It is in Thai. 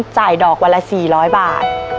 จ่ายดอกวันละสี่ร้อยบาท